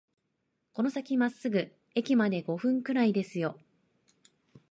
この先まっすぐ、駅まで五分くらいですよ